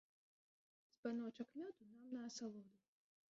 Збаночак мёду нам на асалоду.